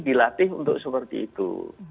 dilatih untuk seperti itu